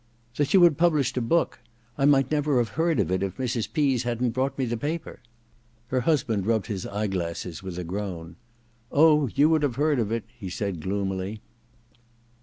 *That you had published a book — I might never have heard of it if Mrs. Pease hadn't brought me the paper.' Her husband rubbed his eyeglasses with a groan. *Oh, you would have heard of it,' he said gloomily.